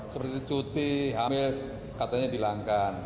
seperti cuti hamil katanya dilangkan